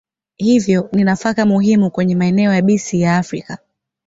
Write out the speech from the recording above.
Hivyo ni nafaka muhimu kwenye maeneo yabisi ya Afrika.